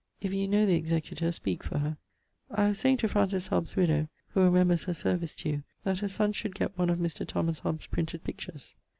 If you know the executor speak for her. I was saying to Francis Hobbes's widow (who remembers her service to you) that her son should get one of Mr. Thomas Hobbes's printed pictures.